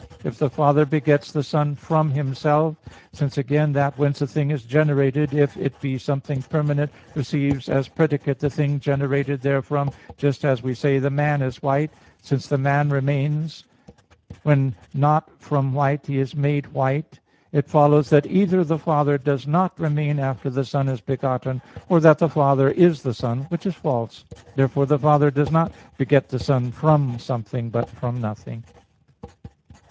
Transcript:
If the Father begets the Son from Himself, since again that whence a thing is generated, if it be something permanent, receives as predicate the thing generated therefrom just as we say, "The man is white," since the man remains, when not from white he is made white it follows that either the Father does not remain after the Son is begotten, or that the Father is the Son, which is false. Therefore the Father does not beget the Son from something, but from nothing.